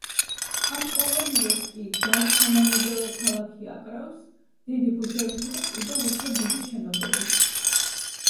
ამ ყოველივეს კი გარს თანამედროვე ქალაქი აკრავს, დიდი ქუჩებითა და კიდევ უფრო დიდი შენობებით.